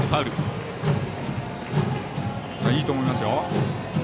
いいと思いますよ。